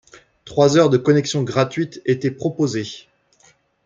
Trois heures de connexion gratuites étaient proposées.